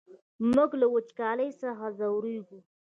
موږ له وچکالۍ څخه ځوريږو!